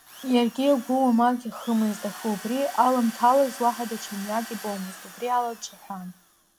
Иаргьы игәы уамак иахымызт, аха убри аламҭалаз уаҳа даҽа мҩак ибомызт, убри ала дҿаҳәан.